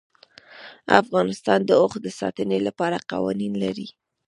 افغانستان د اوښ د ساتنې لپاره قوانین لري.